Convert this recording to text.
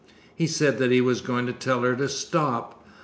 He said that he was going to tell her to stop.